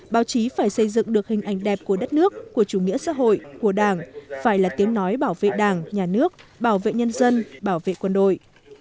báo chí phải xây dựng được hình ảnh đẹp của đất nước của chủ nghĩa xã hội của đảng phải là tiếng nói bảo vệ đảng nhà nước bảo vệ nhân dân bảo vệ quân đội